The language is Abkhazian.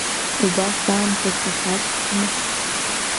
Убас аамҭа цахьаҵәҟьама?